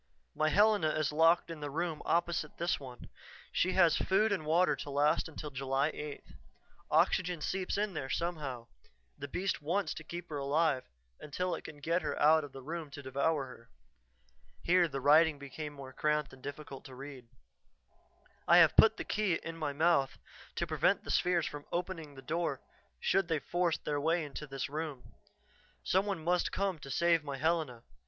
"My Helena is locked in the room opposite this one. She has food and water to last until July 8th. Oxygen seeps in there somehow the beast wants to keep her alive until it can get her out of the room to devour her." Here the writing became more cramped and difficult to read. "I have put the key in my mouth to prevent the spheres from opening the door should they force their way into this room. Some one must come to save my Helena.